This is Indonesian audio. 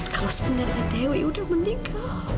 kalau sebenarnya dewi udah meninggal